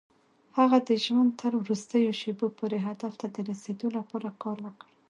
هغه د ژوند تر وروستيو شېبو پورې هدف ته د رسېدو لپاره کار وکړ.